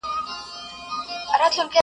چي پر حال د زکندن به د وطن ارمان کوینه!!